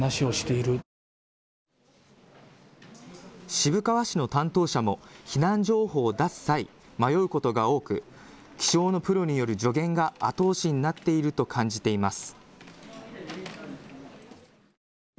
渋川市の担当者も避難情報を出す際、迷うことが多く気象のプロによる助言が後押しになっていると感じています。